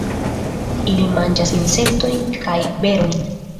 Ili manĝas insektojn kaj berojn.